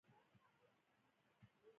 د جو نل لیکنه او د جو دیوالیه مرکز